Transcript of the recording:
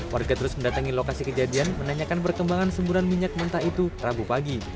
warga terus mendatangi lokasi kejadian menanyakan perkembangan semburan minyak mentah itu rabu pagi